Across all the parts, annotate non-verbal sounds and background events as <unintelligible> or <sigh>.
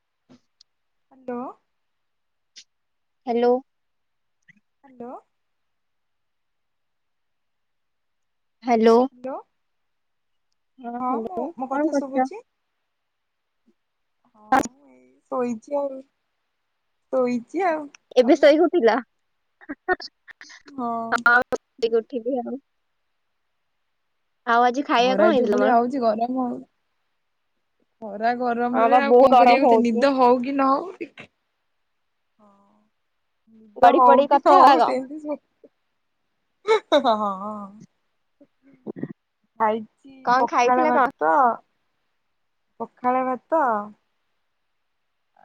<inaudible> Hello. Hello. Hello hello. Hello ହଁ ମୁଁ hello ମୋ କଥା କଣ କରୁଛ? ଶୁଭୁଛି? ହଁ ଏଇ ଶୋଇଛି ଆଉ ଶୋଇ ଏବେ ଶୋଇକି ଉଠିଲ? ହ <inaudible> <inaudible> ହଁ ଶୋଇକି ଉଠିଲି ଆଉ। ଆଉ ଆଜି ଏ ଖାଇବା ଖରା କଣ ଯୋଉ ହେଇଥିଲା ତମର? ଭଳିଆ ହଉଛି ଗରମ। ଖରା ହଁ ଗରମରେ ବା ଆଉ ବହୁତ କଣ ଗରମ କରିଆ କଥା ହଉଛି ନିଦ ହଉ କି ନ ହଉ ଟି ହଁ। ଦ ଗଡି ହଉ ପଡିକି କି କଥା ନ ଆଉ ହଉ ଆଗ। ସେମତି ଶୋ ହଁ। ହଁ। ଖାଇଚି କଣ ପଖାଳ ଖାଇଥିଲ କଣ? ଭାତ ପଖାଳ ଭାତ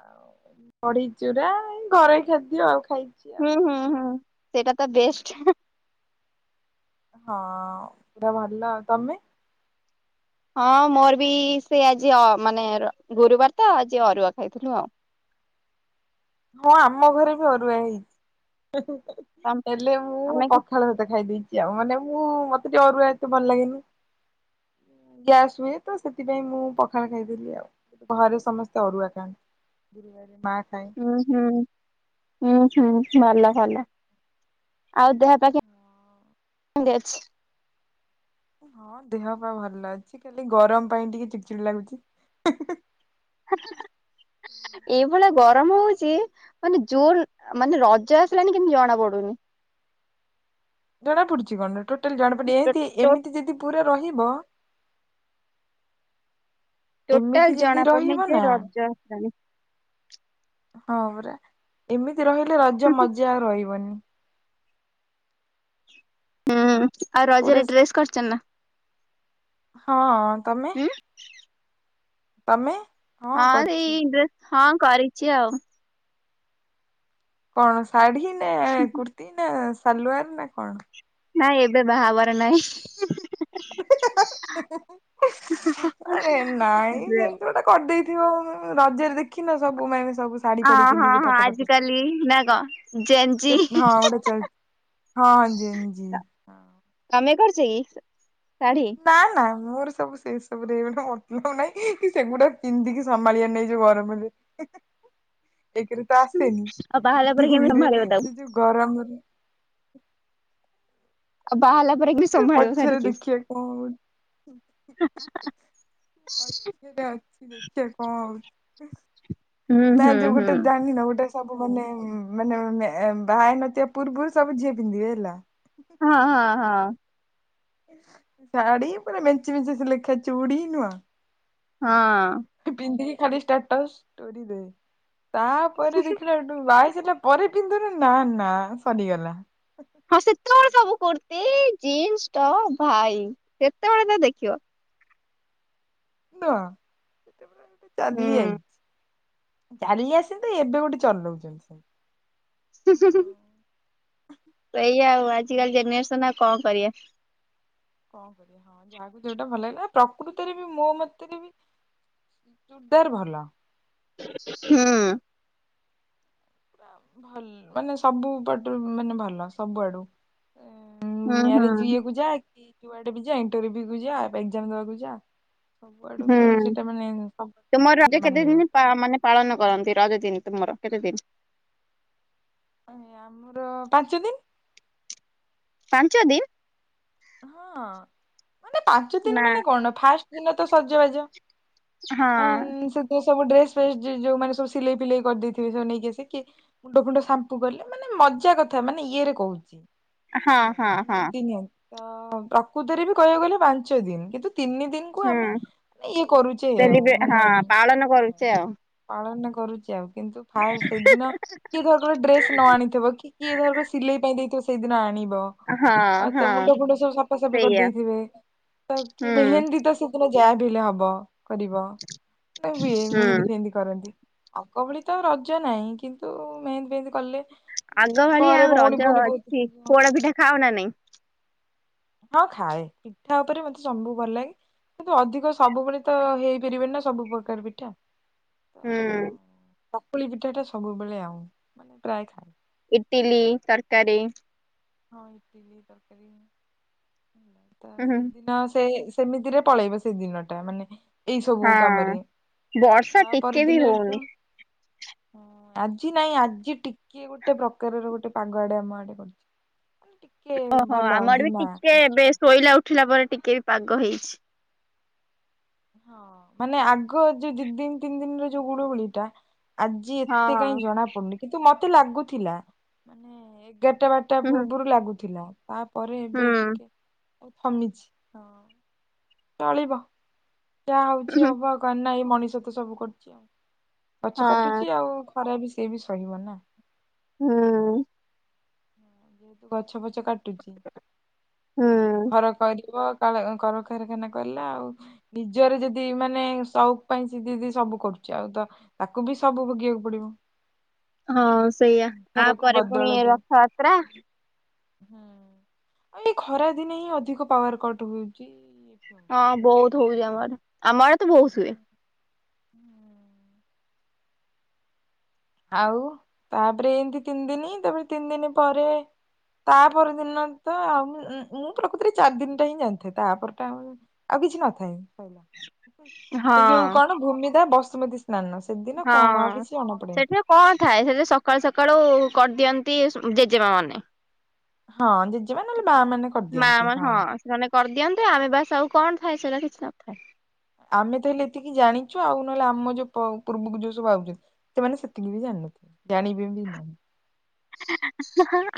ଆଉ ବଢି ଚୁରା ଏଇ ଘରେଇ ଖାଦ୍ୟ ଆଉ। ଖାଇଛି ଆଉ। ହୁଁ ହୁଁ ହୁଁ। ସେଇଟା ତ ବେଷ୍ଟ। ହଁ <unintelligible> ଭଲ ଆଉ ତମେ? ହଁ ମୋର ବି ସେ ଆଜି ଅ ମାନେ ର ଗୁରୁବାର ତ ଆଜି ଅରୁଆ ଖାଇଥିଲୁ ଆଉ। ହଁ ଆମ ଘରେ ବି ଅରୁଆ ହେଇଛି। ହେଲେ ମୁଁ ଆମେ କି ପଖାଳ ଭତ ଖାଇଦେଇ <unintelligible> ଆଉ ମାନେ ମୁଁ ମତେ ଟିକେ ଅରୁଆ ଏତେ ଭଲ ଲାଗେନି। ଗ୍ୟାସ ହୁଏ ତ ସେଥିପାଇଁ ମୁଁ ପଖାଳ ଖାଇଦେଲି ଆଉ ଘରେ ସମସ୍ତେ ଅରୁଆ ଖାଆନ୍ତି ମାଆ ହୁଁ <unintelligible> ହୁଁ ହୁଁ ହୁଁ ଭଲ ଭଲ। ଆଉ ଦେହ ପାହ କେମି <unintelligible> ଅଛି। ହଁ ଦେହ ପାହ ଭଲ ଅଛି ଖାଲି ଗରମ ପାଇଁ ଟିକେ ଚିଡ଼ି ଚିଡି ଲାଗୁଛି। ଏଇ ଭଳିଆ ଗରମ ହଉଛି ମାନେ ଜୋର ମାନେ ରଜ ଆସିଲାଣି କିନ୍ତୁ ଜଣା ପଡୁନି। ଜଣା ପଡୁଚି କଣ ନା ଟୋ ଟାଲ ଜଣା ପଡୁନି ଏଁତି ଟୋ ଏମିତି ଯଦି ପୁରା ରହି ବ ଟୋଟାଲ ଜଣା ପଡୁନି ରହିବ ଯେ ନା ରଜ ଆସିଲଣି। ହଁ ପରା ଏମି ତି ରହିଲେ ରଜ ହୁଁ ମଜା ଆଉ ରହିବନି। ଆଉ ପୁରା ରଜରେ ଡ୍ରେସ କରିଚ ନା? ହଁ। ତମେ? ହୁଁ ତମେ ହଁ ରେ ଡ୍ରେ ହଁ କରିଛି ଆଉ କଣ? ଶାଢ଼ୀ ନା କୁର୍ତି ନା? ସାଲୁଆର ନା କଣ? ନାଇଁ ଏବେ ବାହା ହବାର ନାହିଁ। ଆରେ ନାଇଁ କେମିତି ଗୋଟେ କରିଦେଇ ରଜରେ ଦେଖିନ ସବୁ ମାଇଁ ବସି ସବୁ ଶାଢ଼ୀ ଫାଢ଼ି ହଁ ପିଧି ହଁ କି ହଁ ଫଟୋ ଫଟୋ ଆଜିକାଲି ନା କଣ ଜେଞ୍ଜି। ଟି ହଁ ଗୋଟେ ଚାଲ ହଁ ଜିନ୍ ଜିନ୍ <unintelligible> ନାନା ମୋର ସବୁ ସେଇ ତାପରେ ଏଇଟା ମତଲବ ନାଇଁକି ସେଗୁଡା ପିନ୍ଧିକି ସମାଳିଆରନାଇ ଯୋଉ ଗରମସେ ହେଁ ହେଁ ଏକେରେତ ଆସେନି ଆଉ ବାହାହେଲା ପରେ କେମିତି ଦୁଇରେ ସମ୍ଭାଳିବ ତାକୁ? ଯୋଉ ଗରମରେ ଆଉ ବାହାହେଲା ପରେ କେମିତି ସମ୍ଭାଳିବ ପଛରେ ଶାଢୀକି? ଦେଖିବା କଣ ହଉ ଇ ଈ ପଛରେ ଅଛି ଦେଖିବା କଣ ହ ହୁଁ <unintelligible> ହୁଁ ନାଯେ ହୁଁ। ଗୋଟେ ଜାନିନ ଗୋଟେ ସବୁ ମାନେ ଏ ମାନେ ଏ ବାହହେଇନଥିବା ପୂର୍ବୁରୁ ସବୁ ଯିଏ ପିନ୍ଧିବେ ହେଲା ହଁ ହଁ ହଁ। ଶାଢ଼ି ପୁରା ମେଞ୍ଚେମେଞ୍ଚେସେଲେଖା ଚୁଡି ନୁହଁ। ପିନ୍ଧିକି ହଁ। ଖାଲି ଷ୍ଟାଟସ୍ ଷ୍ଟୋରି ଦେ। ତାପରେ ଦେଖିଲାଠୁ ବାଇଶ ଝିଲାପରେ ପିନ୍ଧୁନୁ ନା ନା ସରିଗଲା। ହଁ ସେତଳେସବୁ କୁର୍ତ୍ତିୀ ଜିନ୍ସ ଟପ୍ ଭାଇ ସେତେବେଳେ ତ ଦେଖିବ। ନୁହଁ <unintelligible> ହୁଁ। ହୁଁ ଚାଲି ଆସନ୍ତିଏବେ ଗୋଟେ ଚଲଉଚନ୍ତି ସେ ହୁଁ ହୁଁ ହୁଁ ସେଇଆ ଆ ଆଜିିକାଲି ଜେନେରେସନ୍ ଆଉ କଂକରିବା। ଙ୍କକରିବା ହଁ ଯାହାକୁ ଯଉଟା ଭଲଲାଗିଲା ପ୍ରକୃତିରେବି ମୋମତରେବି ଚୁଡଦାର ଭଲ। <unintelligible> ହୁଁ ପୁରା ଭଲ ମାନେ ସବୁପଟରୁ ମାନେ ଭଲ ସବୁଆଡୁ। ଏ ହୁଁ ହୁଁ ମ୍ୟାରେଜ୍ ଇଏକୁ ଯା କି ଯୁଆଡେବିଯା ଇଣ୍ଟରର୍ଭ୍ୟୁକୁଯା ଏକ୍ଜାମଦବାକୁ ଯା ସବୁ ହୁଁ ଆଡକୁ ସେଇଟା ମାନେ ସବୁ ତୁମରଜ ଭଲ ମାନିବ କେତେଦିନି ପା ମାନେ ପାଳନ କରନ୍ତି ରଜଦିନି। ତୁମର କେତେଦିନ ଉ ଆମର ପାଞ୍ଚ ଦିନ। ପାଞ୍ଚ ଦିନ। ହଁ। ମାନେ ପାଞ୍ଚଦିନ ନା ମାନେକଣ ଫାଷ୍ଟ ଦିନତସଜବାଜ ହଁ। ସବୁ ଡ୍ରେସଫ୍ରେସ ଜି ଯୋଉମାନେ ସବୁ ସିଲେଇଫିଲେଇ କରଦେଇଥିବେ ସେ ନେଇକିଆସେ କି ମୁଣ୍ଡଫୁଣ୍ଡ ସାମ୍ପୁ କଲେ ମାନେ ମଜା କଥା ମାନେ ଇଏରେ କହୁଚି। ହଁ ହେଲା ହଁ ମାନେ ହଁ ଏମିତିନିଅ ତ ପ୍ରକୃତରେ ବି କହିବାକୁ ଗଲେ ପାଞ୍ଚ ଦିନ କିନ୍ତୁ ତିନି ଦିନକୁ ଆମେ ହୁଁ ଇଏ କରୁଛେ ଆଉ ସେଲିବ୍ରେ ହଁ ମାନେ ପାଳନ କରୁଛେ ଆଉ ପାଳନ କରୁଛି ଆଉ କିନ୍ତୁ ଫାଷ୍ଟ ସେଇଦିନ କିଏ ଧରକାରର ଡ୍ରେସ ନ ଆଣିଥିବ କି କିଏ ଧରକାର ସିଲେଇ ପାଇଁ ଦେଇଥିବ ସେଦିନ ଆଣି ହଁ। ତ ହଁ ମୁଣ୍ଡ ଫୁଣ୍ଡ ସବୁ ସଫାସଫି ସେଇଆ କରିଦେଇଥିବେ। ତା କି ହୁଁ ମେହେନ୍ଦୀ ତ ସେଦିନ ଯାହା ଭିଲ ହବ କରିବ ନ ବି ମେହେନ୍ଦୀ ହୁଁ। ଫେହେନ୍ଦି କରନ୍ତି। ଆଗ ଭଳି ତ ଆ ରଜ ନାହିଁ କିନ୍ତୁ ମେହେନ୍ଦୀ ଫେହେନ୍ଦୀ କଲେ ଯଦି ଆଗ ଭଳିଆ ଘରେ ଆଉ ଭଉଣୀ ରଜ ଫଉଣୀ ବହୁତ ଅଛି। ଥିବ ପୋଡ ପିଠା ଖାଓ ନା ନାଇଁ? ହଁ ଖାଏ। ପିଠା ଉପରେ ମତେ ସବୁ ଭଲ ଲାଗେ। କିନ୍ତୁ ଅଧିକ ସବୁବେଳେ ତ ହେଇପାରିବେନି ନା ସବୁ ପ୍ରକାର ପିଠା। ହୁଁ। ତ ଚକୁଳି ପିଠା ଟା ସବୁବେଳେ ଆଉ। ପ୍ରାୟ ଖାଏ। ଇଟିଲୀ, ତରକାରୀ ହଁ ଇଟଲି, ତରକାରୀ କଣ ହୁଁ ସେଦିନ ସେ ସେମିତିରେ ପଳେଇବ ସେ ଦିନ ଟା ମାନେ ଏଇ ସବୁ କାମରେ ହଁ-ଅ-ଅ ବର୍ଷା ଟିକେ ତାପର ବି ଦିନଠୁ ହଉନି। ହଁ ଆଜି ନାଇଁ ଆଜି ଟିକେ ଗୋଟେ ପ୍ରକାରର ଗୋଟେ ପାଗ ଆଡେ ଆମ ଆଡେ କରୁଛି। ଓହୋ ଆମର ବି ଟିକେ ଏବେ ଶୋଇଲା ଉଠିଲା ପରେ ଟିକେ ବି ପାଗ ହେଇଛି। ହଁ ମାନେ ଆଗ ଯୋଉ ଦି ଦିନ ତିନି ଦିନର ଯୋଉ ଗୁଳୁଗୁଳି ଟା ଆଜି ଏତେ କାହିଁ ହଁ। ଜଣାପଡୁନି। କିନ୍ତୁ ମତେ ଲାଗୁଥିଲା ଏଗରଟା ବାରଟା ହୁଁ ପୂର୍ବରୁ ଲାଗୁଥିଲା ତାପରେ ଏବେ ହୁଁ। ଟିକେ ମିଛି ହଁ ଚାଳିବ ଯାହା ହଉଛି ହବ ଆଉ କଣ? ମଣିଷ ତ ସବୁ କରୁଛି ଆଉ ଗଛ ହଁ କାଟୁଛି ଆଉ ଖରା ବି ସେ ବି ସହିବ ନା ହଁ ଗଛ ପଛ କାଟୁଚି ଆଉ ହୁଁ। ଘର କରିବ କଳ କଳକାରଖାନା କଲା ଆଉ ନିଜର ଯଦି ମାନେ ସଉକ ପାଇଁ ସେ ଦିଦି ସବୁ କରୁଛି ଆଉ ତ ତାକୁ ବି ସବୁ ଭୋଗିବାକୁ ପଡିବ। ହଁ ସେଇଆ ଆ ଉଦ୍ଧାରକୁ ପରେ ପୁଣି ବଦଳ ଯୋଉ। ରଥଯାତ୍ରା। ହୁଁ ଏ ଖରା ଦିନେ ହିଁ ଅଧିକ ପାୱାର କଟ ହଉଛି। ହୁଁ। ହଁ ବହୁତ ହଉଛି ଆମ ଆଡେ। ଆମ ଆଡେ ତ ବହୁତ ହୁଏ। ହୁଁ। ଆଉ ତାପରେ ଏମତି ତିନି ଦିନି ତାପରେ ତିନି ଦିନି ପରେ ତା ପର ଦିନ ତ ଆଉ ମୁଁ ପ୍ରକୃତରେ ଚାରି ଦିନ ଟା ହିଁ ଜାଣିଥାଏ ତାପର ଟା ଆଉ କିଛି ନଥାଏ। ଯୋଉ ହଁ କଣ ଭୂମିଦା ବ ସୁମତି ନା ନା ସେଦିନ କଣ ଆଉ ହଁ। କିଛି ଜଣାପଡେନି। ସେଠି କଣ ଥାଏ ସେଦିନ ସକାଳୁ ସକାଳୁ କରିଦିଅନ୍ତି ଜେଜେମା ମାନେ। ହଁ ଜେଜେମା ନହେଲେ ମା ମାନେ କରିଦିଅନ୍ତି ହଁ। କରିଦିଅନ୍ତୁ ଆମେ ବାସ ଆଉ କଣ ଥାଏ ସେଇଟା କିଛି ନଥାଏ। ଆମେ ତ ହେଲେ ଏତିକି ଜାଣିଛୁ ଆଉ ନହେଲେ ଆମ ଯୋଉ ପୂର୍ବକୁ ଯୋଉ ସବୁ ଆଉଛନ୍ତି ସେମାନେ ସେତିକି ବି ଜାଣିନଥିବେ ଜାଣିବେ ବି ନାହିଁ।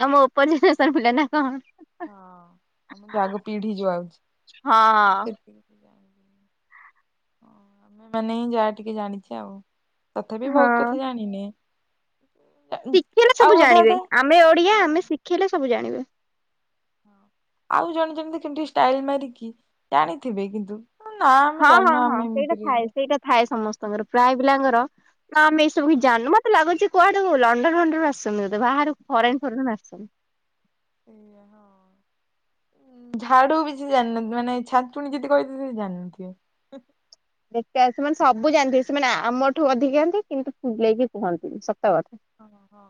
ଆମ ଉପର ଜେନେରେସନ ପିଲା ନା କଣ। ହଁ ଆମ ଯଉ ଆଗକୁ ପିଢି ଯଉ ଆଉଛି ସେ ସବୁ ହଁ। ସେତିକି ଆମେ ମାନେ ହିଁ ଯାହା ଟିକେ ଜାଣିଛେ ଆଉ। ତଥାପି ବହୁତ କଥା ଜାଣିନେ। ଜା- ଶିଖେଇଲେ ଆଉ ସବୁ ଅଧା ଜାଣିବେ ଅଧା ଆମେ ଓଡିଆ ଆମେ ଶିଖେଇଲେ ସବୁ ଜାଣିବେ। ହ ଆଉ ଜଣେ ଜଣେ ତ କେମତି ଷ୍ଟାଇଲ ମାରିକି ଜାଣିଥିବେ କିନ୍ତୁ। ନା ଆମେ ହଁ ହଁ ଜାଣିନୁ ହଁ ଆମେ ସେଇଟା ଏମିତିରେ ଥାଏ ହଁ ସେଇଟା ଥାଏ ସମସ୍ତଙ୍କର ପ୍ରାୟ ପିଲାଙ୍କର ନା ଆମେ ଏସବୁ କିଛି ଜାଣିନୁ ମତେ ଲାଗୁଛି କୁଆଡୁ ଲଣ୍ଡନ ଫଣ୍ଡନ ରୁ ଆସିଛନ୍ତି ବୋଧେ। ବାହାରୁ ହଁ ଫରେନ୍ ଫରେନ୍ ଆସିଛନ୍ତି। <inaudible> ଝାଡୁ ବି ସେ ଜାଣିିନାହାନ୍ତି। ମାନେ ଛାଞ୍ଚୁଣି ପୁଣି ଯଦି କହିଥିବ ସେ ଜାଣିନଥିବେ। ଦେଖ ସେମାନେ ସବୁ ଜାଣିଥିବେ ସେମାନେ ଆମଠୁ ଅଧିକା ଜାଣନ୍ତି କିନ୍ତୁ ଫୁଲେଇକି କୁହନ୍ତିନି ସତ କଥା। <inaudible> ଓହୋ ହଁ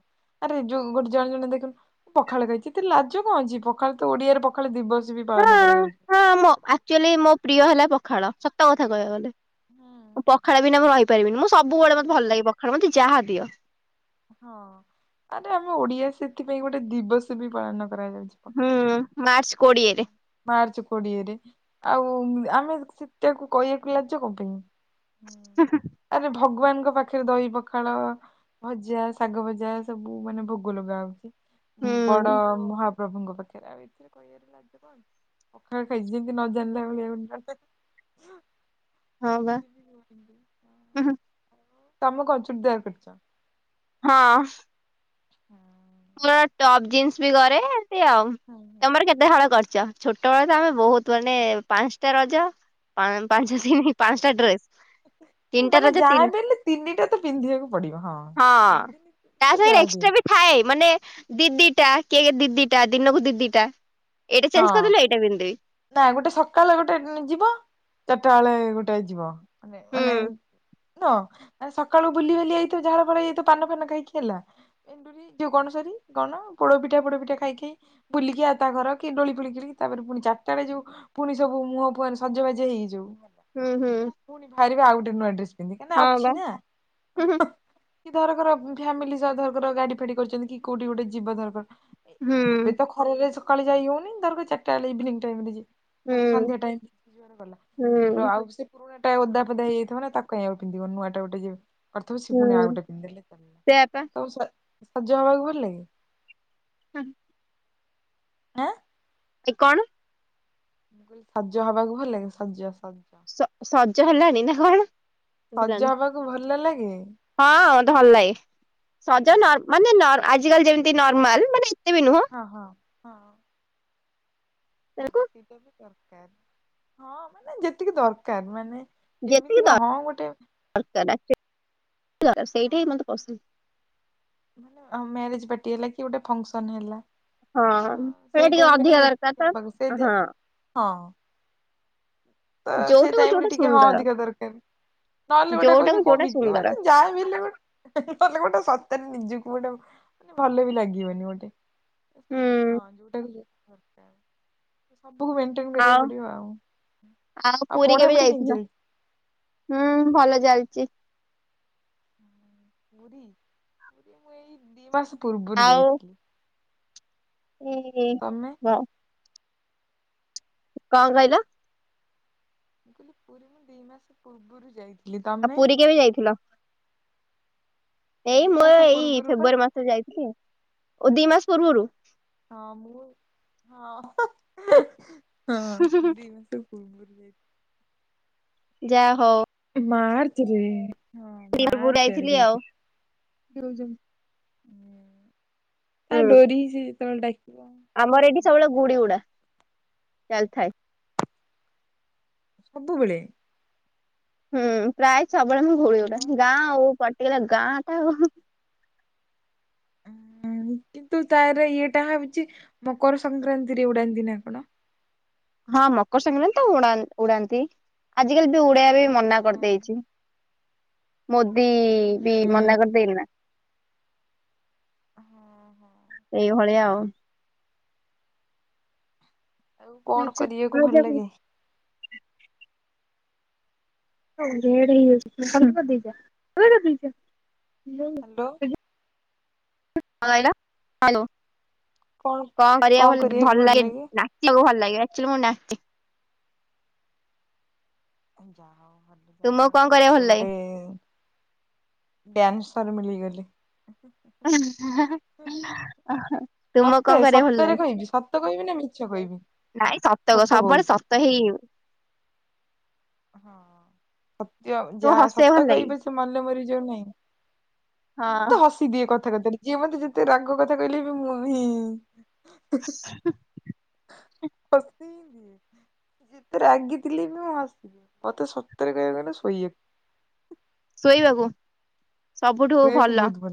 ଆରେ ଯୋଉ ଗୋଟେ ଜଣେ ଜଣେ ଦେଖିବୁ ପଖାଳ ଖାଇଚି। ଏତେ ଲାଜ କଣ ଅଛି। ପଖାଳ ତ ଓଡିଆରେ ପଖାଳ ଦିବସ ବି ପାଳନ ହଁ କରାଯାଉଛି। ହଁ ଆକଚୋଲି ମୋ ପ୍ରିୟ ହେଲା ପ ଖାଳ ସତକଥା କହିବାକୁ ଗଲେ। ହୁଁ। ପଖାଳ ବିନା ମୁଁ ରହି ପାରିବିନି ମୁଁ ସବୁବେଳେ ମତେ ଭଲଲାଗେ ପଖାଳ ମତେ ଯାହା ଦିଅ। ହଁ ଆରେ ଆମ ଓଡିଆ ସେଥିପାଇଁ ଗୋଟେ ଦିବସ ବି ପାଳନ କରାଯାଉଛି ହୁଁ ପଖାଳ ମାର୍ଚ୍ଚ ଦିବସ କୋଡିଏରେ <inaudible> ମାର୍ଚ୍ଚ କୋଡିଏରେ ଆଉ ଆମେ ସେଟାକୁ କହିବାକୁ ଲାଜ କଣ ପାଇଁ। ହୁଁ ହୁଁ । ଆରେ ଭଗବାନଙ୍କ ପାଖରେ ଦହି ପଖାଳ ଭଜା ଶାଗ ଭଜା ସବୁ ମାନେ ଭୋଗ ଲଗା ହଉଛି। ହୁଁ ବଡ ମହା ପ୍ର ପ୍ରଭୁଙ୍କ ପାଖରେ ଆଉ <inaudible> ପଖାଳ ଖାଇଛି ଯେମିତି ନ ଜାଣିଲା ଭଳିଆ ହଁ ସେ ବା ଦିବି <unintelligible> ତମେ କଣ ଚୁରଦାର କରଚ। ହଁ। ହୁଁ। ମୁଁ ନା ଟପ୍ ଜିନ୍ସ ବି କରେ ସେ ଆଉ ହୁଁ ହୁଁ। ତମର କେତେ ହଳ କରିଚ। ଛୋଟ ବେଳ ତ ଆମେ ବହୁତ ମାନେ ପାଞ୍ଚଟା ରଜ ପାଞ୍ଚ ଦିନି ପାଞ୍ଚଟା ଡ୍ରେସ୍ ତିନିଟା ମାନେ ରଜ ଯାହା ତିନି ବି ହେଲେ ତିନିଟା ତ ପିନ୍ଧିବାକୁ ପଡିବ ହଁ ତା <inaudible> ସାଙ୍ଗରେ ଯାହା ବି ଏକ୍ସଟ୍ରା ହଉ। ଥାଏ ମାନେ ଦି ଦିଟା କିଏ କି ଦି ଦିଟା ଦିନକୁ ଦିଦିଟା। ଏଇଟା ଚେଞ୍ଜ ହଁ କରିଦଲେ ଏଇଟା ପିନ୍ଧିଦେବୀ। ନା ଗୋଟେ ସକାଳେ ଗୋଟେ ଯିବ ଚାରିଟା ବେଳେ ଗୋଟେ ଯିବ। ମାନେ ମାନେ ହୁଁ ନୁହ ସକାଳୁ ବୁଲି ବାଲି ଆଇଥିବ। ଝାଳ ଫାଳ ପାନ ପାନ ଫାନ ଖାଇକି। ହେଲା ଏଣ୍ଡୁରୀ ଯୋଉ ଗଣସରି କଣ ଗୁଡପିଠା ପୋଡପିଠା ଖାଇକି ବୁଲିକି ଆଉ ତା ଘର କି ଦଳି ଖେଳିକରି ତାପରେ ପୁଣି ଚା ତାଳେ ଯୋଉ ପୁଣି ସବୁ ମୁହଁ ଫୁହରେ ସଜବାଜ ହେଇଯିବ। ହୁଁ ହୁଁ <inaudible> ପୁଣି ବାହାରିବେ ଆଉ <unintelligible> ପିନ୍ଧିକିନା ହଁ ଆଛିି ବା ନା ହୁଁ ଏଇ ଧରକର ଉଁ, ଫ୍ୟାମିଲି ସହ ଧରକର ଗାଡି ଫାଡି କରିଚନ୍ତି କି କୋଉଠି ଗୋଟେ ଯିବେ ଧରକର ହୁଁ ଏ-ଏବେ ତ ଖରାରେ ସ କାଳେ ଯାଇ ହଉନି ଧରକ ଏଇ ଚାରିଟା ବେଲେ ଇଭିନିଙ୍ଗ ଟାଇମ୍ ରେ ଯିବେ ହୁଁ ତାର ହୁଁ ସନ୍ଧ୍ୟା ଟାଇମ୍ ହୁଁ ଟା ଓଦା ଫଦା ହେଇଏଇଥିବ ନା ତାକ କାଇଁ ଆଉ ପିନ୍ଧିବ, ନୂଆଟା ଗୋଟେ ଯେଉ କରିଥିବ ସେ ପୁଣି ଆଉ ହୁଁ ଗୋଟେ ପିନ୍ଧଲେ ଚାଲିଲା, ସେୟାପା ତାକୁ ସେ ସଜ ହବାକୁ ଭଲ ଲାଗେ? ହଁ, ହଁ। ନା ଯେ କଣ? ମୁଁ କହିଲି ସଜ ହବାକୁ ଭଲ ଲାଗେ ସଜ ସ ସ-ସଜ ହେଲାଣି ନା କଣ? ଶୁଭିଲାନି। ହୁଁ, ହଁ, ମତେ ଭଲ ଲାଗେ, ସଜ ନର ମାନେ ନର ଆଜିକାଲି ଯେମିତି ନର୍ମାଲ ମାନେ ବି ନୁହଁ ଓ ହୋ। ହଁ। ହଁ, ତାକୁ ସେଇଟା ବି ଦରକାର, ହଁ, ମାନେ ଯେତିକି ଦରକାର ମାନେ ଏମିତି ଯେତିକି କଣ ହଁ ଗୋଟେ ଦ-ଦରକାର, ଆକଚୁ <inaudible> ହଁ ସେଇଠି ହିଁ ମୋତେ ପସନ୍ଦ। ମାନେ ହଁ ମ୍ୟାରେଜ୍ ପାଟି ହେଲା, କି ଗୋଟେ ଫଙ୍କସନ୍ ହେଲା। ହଁ, ତ ସେଟା ସେଇ ଟିକେ ଟାଇମ ରେ ଅଧିକା ଯେତିକି ଦରକାର ହବାକୁ ସେ ତ, ଯେ ହଁ। ହଁ ତ ସେ ଯୋଉଟାକୁ ଟାଇମ୍ ରେ ଯୋଉଟା ଟିକେ, ହଁ ସୁନ୍ଦର ଅଧିକା ଦରକାର, ନହେଲେ ଗୋଟେ କହିବି, ଯୋଉଟାକୁ କଣ ଯୋଉଟା ବିକି ସୁନ୍ଦର। ମାନେ ଯାହା ବି ହେଲେ ଗୋଟେ ନହେଲେ ଗୋଟେ ସ ନିଜକୁ ଗୋଟେ ମାନେ, ଭଲ ବି ଲାଗିବନି ଗୋଟେ। ତ ହୁଁ ସେମତି, ହଁ ଯୋଉଟାକୁ ଯୋ ଦରକାର ଏ-ସେ ଆଉ, ଆଉ ପୁରୀ କେବେ ପଢାପଢି କେମିତି ଯାଇଥିଲ? ଚାଲିଛି? ହୁଁ ଭଲ ଚାଲ ଚି ପୁରୀ, ପୁରୀ ମୁଁ ଏଇ ଦି ମାସ ପୂର୍ବରୁ ଯାଇଥିଲି। ଉଁ, ଉଁ, ତମେ? ଯାଅ କଣ କଇଲ? ମୁଁ କହିଲି, ପୁରୀ ମୁଁ ଦିଇ ମାସ ପୂର୍ବରୁ ଯାଇଥି ଆଉ ପୁରୀ କେବେ ଯାଇଥିଲ? ଏଇ ଦି ମୁଁ ମାସ ଏ-ଏଇ ପୂର୍ବରୁ ବା ଫେବୃଆରୀ ମାସରେ ଯାଇଥିଲି ଆଉ। ଓ, ଦିଇ ମାସ ପୂର୍ବରୁ । ହଁ, ମୁଁ, ହଁ <inaudible> ହଁ, ଦି ମା ପୂର୍ବୁ ରୁ ଯାଇ ଯା ହୋ ମାର୍ଚ୍ଚ ରେ ହଁ ନିରପୁର <inaudible> ଯାଇଥିଲି ଆଉ। <inaudible> ଉଁ ଆ ହୁଁ ଡୋରି <inaudible> ଆମର ଏଠି ସବୁବେଳେ ଗୁଡି ଉଡା। ଚାଲି ଥାଏ। ସବୁବେଳେ। ହୁଁ ପ୍ରାୟ ସବୁବେଳେ ମୁଁ ଗୁଡ଼ି ହ୍ୟାଲୋ ଉଡାଏ ଗାଁ ଆଉ। ପଟିଗଲା ଗାଁ ଟା ଆଉ। କିନ୍ତୁ ତାର ଇଏଟା ହଉଛି ମକର ସଂକ୍ରାନ୍ତିରେ ଉଡାନ୍ତି ନା କଣ। ହଁ ମକର ସଂକ୍ରାନ୍ତି ରେ ତ ଉଡା ଉଡାନ୍ତି ।ଆଜିକାଲି ଉଡେଇଆ ବି ହଁ। ମନା କରିଦେଇଛି। ମୋଦି ହୁଁ ବି ମନା କରିଦେଇନି ନା। ହଁ ହଁ ଏଇ ଭଳିଆ ଆଉ। ଆଉ କଣ ଆଚ୍ଛା କରିବାକୁ ଭଲ ହଳଦିଆ ଲାଗେ। ହଉ ବ <inaudible> <inaudible> <inaudible> ହ୍ୟାଲୋ। ହାଲୋ। କଣ କରିବାକୁ ଭଲ ଭଲ ଲାଗେ ନାଚିବାକୁ ଭଲ ଲାଗେ। <inaudible> ଯାହା ତୁମକୁ କଣ କରିବାକୁ ଆମର ଭଲ ଲାଗେ? ଗୋଟେ ଡାନ୍ସ ତ ମିଳି <inaudible> ତୁମକୁ କଣ ମତେ କରିବାକୁ ଭଲ ସତରେ ଲାଗେ? କହିବି ସତ କହିବି ନା ମିଛ କହିବି ନାଇଁ ସତ ସବୁବେଳେ କହୁଛି ସତ ହେଇ ହଁ ସତ ତୁ ଯା ହସେଇ ଭଲ ସତ କହିବି ଲାଗେ ପଛେ ମଲେ ମରିବି ଯୋଉ ନାହିଁ। ମୁଁ ହଁ ତ ହସି ଦିଏ କ କଥା କଥା ରେ ଯିଏ ମତେ ଯେତେ ରାଗ କଥା କହିଲେ ବି ମୁଁ ହିଁ <inaudible> ହଁସି ଦିଏ ଯେତେ ରାଗିଥିଲେବି ମୁଁ ହସିଦିଏ ମତେ ସତରେ କହିବାକୁ ଗଲେ ଶୋଇବାକୁ ଶୋଇବାକୁ ସବୁଠୁ ଶୋଇବାକୁ ଭଲ। ବହୁତ